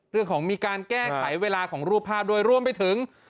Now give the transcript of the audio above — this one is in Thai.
เรื่องของการแก้ไขเวลาของรูปภาพด้วยรวมไปถึง